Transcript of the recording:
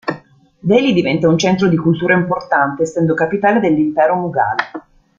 Delhi diventa un centro di cultura importante essendo capitale dell'Impero Mughal.